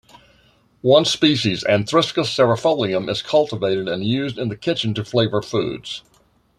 One species, "Anthriscus cerefolium" is cultivated and used in the kitchen to flavor foods.